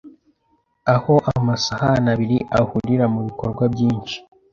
aho amasahani abiri ahurira mubikorwa byinshi